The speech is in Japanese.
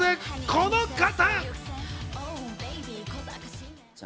この方！